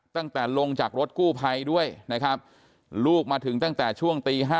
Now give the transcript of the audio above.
ตั้งแต่ลงจากรถกู้ภัยด้วยนะครับลูกมาถึงตั้งแต่ช่วงตี๕